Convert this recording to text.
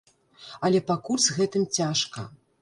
Але пакуль з гэтым цяжка.